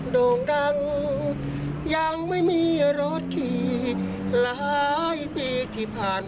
อยู่บ้านก็ไม่มีอะไรได้อันนี้แหละ